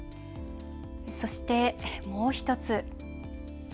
そして、もう１つ。